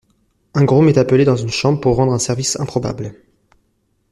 Un groom est appelé dans une chambre pour rendre un service improbable.